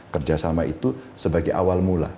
kerjasama itu sebagai awal mula